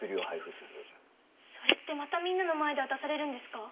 それってまたみんなの前で渡されるんですか？